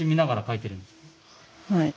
はい。